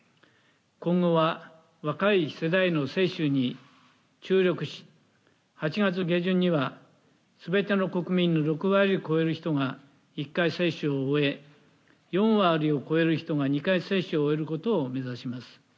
今後は、若い世代の接種に注力し８月下旬には全ての国民の６割を超える人が１回接種を終え４割を超える人が２回接種を終えることを目指します。